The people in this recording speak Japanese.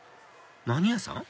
何屋さん？